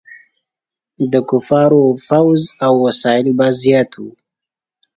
د کفارو فوځ او وسایل به زیات وو.